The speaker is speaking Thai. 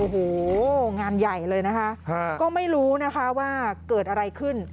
โอ้โหงานใหญ่เลยนะคะก็ไม่รู้นะคะว่าเกิดอะไรขึ้น